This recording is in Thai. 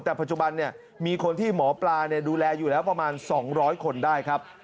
แต่ปัจจุบันมีคนที่หมอปลาดูแลอยู่แล้วประมาณ๒๐๐คนได้ครับ